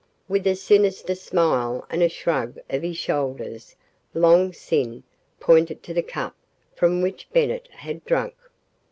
With a sinister smile and a shrug of his shoulders Long Sin pointed to the cup from which Bennett had drunk.